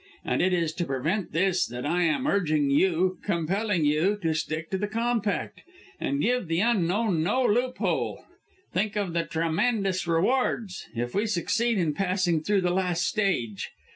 And it is to prevent this, that I am urging you, compelling you, to stick to the compact, and give the Unknown no loophole! Think of the tremendous rewards, if we succeed in passing through the last stage!